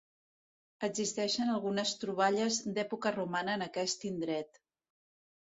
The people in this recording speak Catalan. Existeixen algunes troballes d'època romana en aquest indret.